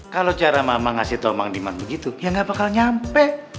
kalo cara mama ngasih tau mang liman begitu ya ga bakal nyampe